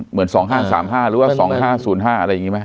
เหมือน๒๕๓๕หรือว่า๒๕๐๕อะไรอย่างนี้ไหม